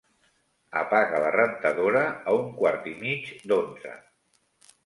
Apaga la rentadora a un quart i mig d'onze.